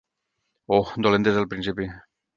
Oh, dolent des del principi.